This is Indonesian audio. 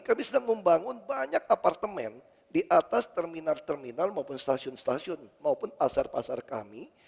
kami sedang membangun banyak apartemen di atas terminal terminal maupun stasiun stasiun maupun pasar pasar kami